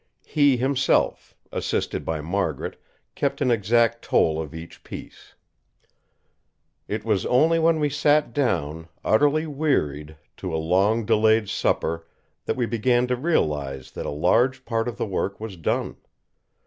He himself, assisted by Margaret, kept an exact tally of each piece. It was only when we sat down, utterly wearied, to a long delayed supper that we began to realise that a large part of the work was done.